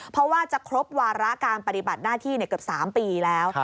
เพราะว่าจะครบวาระการปฏิบัติหน้าที่เกือบ๓ปีแล้ว